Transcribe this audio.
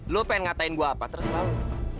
lu pengen ngatain gue apa terserah lu